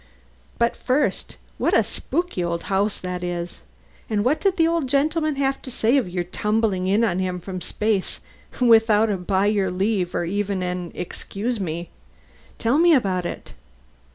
"But first, what a spooky old house that is! And what did the old gentleman have to say of your tumbling in on him from space without a 'By your leave' or even an 'Excuse me'? Tell me about it."